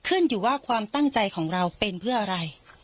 ขึ้นอยู่ว่าความตั้งใจของเราเป็นเพื่ออะไร